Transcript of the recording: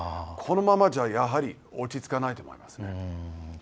このままじゃ、やはり落ち着かないと思います。